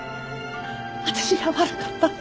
私が悪かったの。